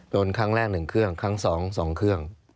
ครั้งแรก๑เครื่องครั้ง๒๒เครื่อง